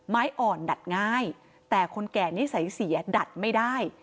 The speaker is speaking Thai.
ไม้อ่อนดัดง่ายแต่คนแก่นิสัยเสียดัดไม่ได้